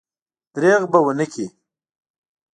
درېغ به ونه کړي.